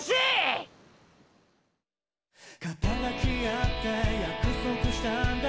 「肩抱き合って約束したんだ